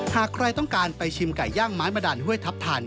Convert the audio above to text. หากใครต้องการไปชิมไก่ย่างม้านบะด่อนเวทัพทัน